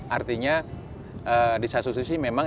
artinya di saya susun sih memang